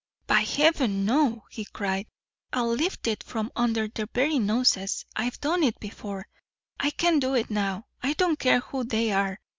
"By heaven, no," he cried. "I'll lift it from under their very noses. I've done it before I can do it now. I don't care who they are.